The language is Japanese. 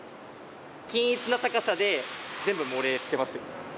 均一な高さで全部盛れてますよね。